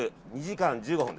２時間１５分。